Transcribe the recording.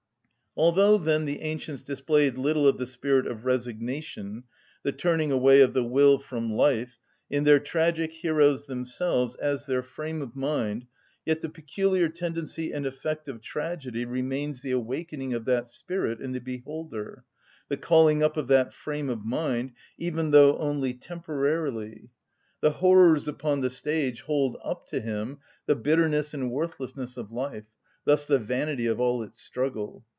Although, then, the ancients displayed little of the spirit of resignation, the turning away of the will from life, in their tragic heroes themselves, as their frame of mind, yet the peculiar tendency and effect of tragedy remains the awakening of that spirit in the beholder, the calling up of that frame of mind, even though only temporarily. The horrors upon the stage hold up to him the bitterness and worthlessness of life, thus the vanity of all its struggle.